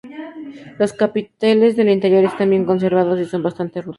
Los capiteles del interior están bien conservados y son bastante rudos.